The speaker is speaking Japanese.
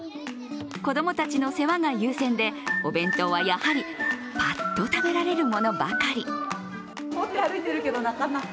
子供たちの世話が優先でお弁当はやはりパッと食べられるものばかり。